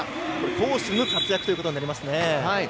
攻守の活躍ということになりますね。